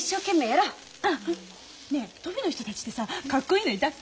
うん！ねえトビの人たちってさかっこいいのいたっけ？